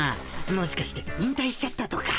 もしかして引たいしちゃったとか。